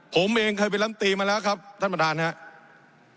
ผมเองเคยเป็นลำตีมาแล้วครับท่านประธานครับ